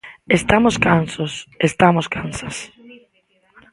Estamos cansos, estamos cansas.